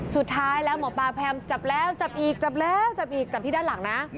สุดท้ายแล้วหมอปลาพยายามจับแล้วจับอีกจับแล้วจับอีกจับที่ด้านหลังนะ